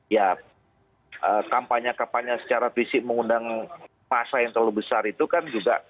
ya kampanye kampanye secara fisik mengundang masa yang terlalu besar itu kan juga